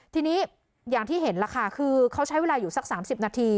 ทีนี้อย่างที่เห็นล่ะค่ะคือเขาใช้เวลาอยู่สัก๓๐นาที